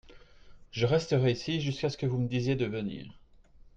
Je resterai ici jusquà ce que vous me disiez de venir.